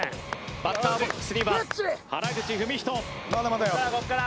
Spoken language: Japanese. バッターボックスには原口文仁。